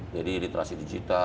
jadi literasi digital